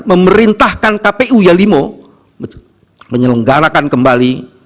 memerintahkan kpu yalimo menyelenggarakan kembali